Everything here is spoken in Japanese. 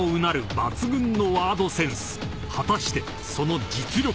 ［果たしてその実力は？］